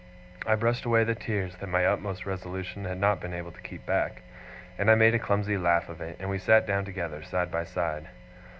I brushed away the tears that my utmost resolution had not been able to keep back, and I made a clumsy laugh of it, and we sat down together, side by side.